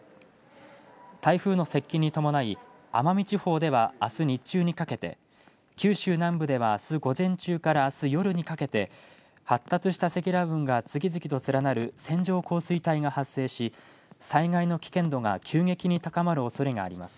台風の接近に伴い奄美地方ではあす日中にかけて、九州南部ではあす午前中からあす夜にかけて発達した積乱雲が次々と連なる線状降水帯が発生し災害の危険度が急激に高まるおそれがあります。